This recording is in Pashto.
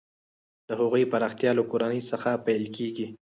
د هغو پراختیا له کورنۍ څخه پیل کیږي.